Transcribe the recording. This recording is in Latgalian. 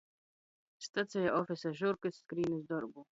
Stacejā ofisa žurkys skrīn iz dorbu.